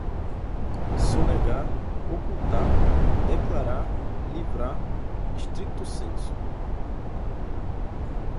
sonegar, ocultar, declarar, livrar, stricto sensu